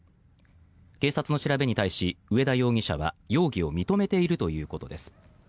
警察の調べに対し上田容疑者は容疑を認めているということです。